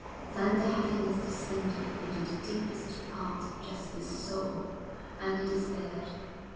Then the heaviness descended into the deepest parts of Jasper's soul, and he despaired.